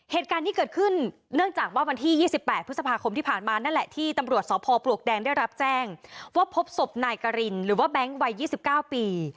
เหตุการณ์ที่เกิดขึ้นเนื่องจากว่าวันที่๒๘พฤษภาคมที่ผ่านมานั่นแหละที่ตำรวจสพปลวกแดงได้รับแจ้งว่าพบศพนายกรินหรือว่าแบงค์วัย๒๙ปี